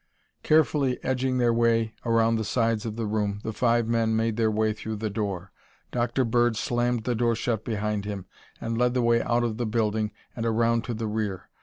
Carefully edging their way around the sides of the room, the five men made their way out through the door. Dr. Bird slammed the door shut behind him and led the way out of the building and around to the rear.